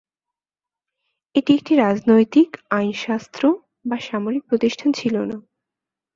এটি একটি রাজনৈতিক, আইনশাস্ত্র বা সামরিক প্রতিষ্ঠান ছিল না।